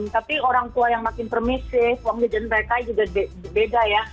tapi orang tua yang makin permisif uang meja mereka juga beda ya